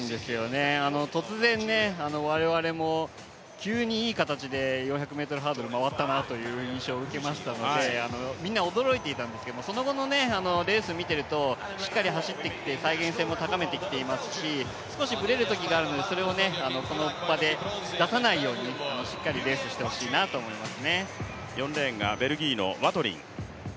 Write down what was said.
突然我々も急にいい形で４００ｍハードル回ったなという印象を受けましたので、みんな驚いていたんすけど、その後のレース見ているとしっかり走ってきて再現性も高めてきていますし少しブレるときがあるので、それをこの場で出さないようにしっかりレースしてほしいなと思います。